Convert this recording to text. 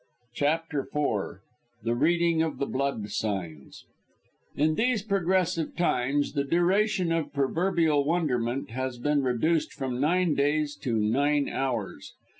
CHAPTER IV THE READING OF THE BLOOD SIGNS In these progressive times, the duration of proverbial wonderment has been reduced from nine days to nine hours.